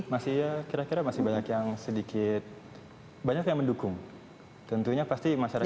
masih ya kira kira masih banyak yang sedikit banyak yang mendukung tentunya pasti masyarakat